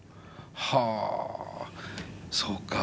はあそうか。